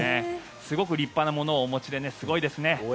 すごく立派なものをお持ちですごいですね。